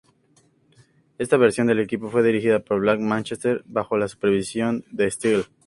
Esta versión del equipo fue dirigida por Black Manchester, bajo la supervisión de Steel.